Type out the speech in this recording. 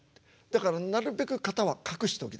だからなるべく型は隠しておきなさい。